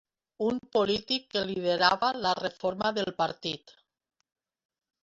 Un polític que liderava la reforma del partit.